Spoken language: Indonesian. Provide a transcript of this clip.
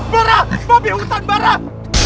barah babi hutan barah